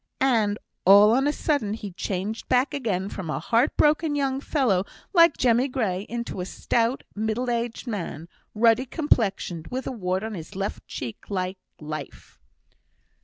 And, all on a sudden, he changed back again from a heart broken young fellow, like Jemmy Gray, into a stout, middle aged man, ruddy complexioned, with a wart on his left cheek like life!"